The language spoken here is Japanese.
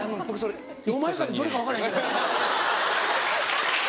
お前かってどれか分からへんけど。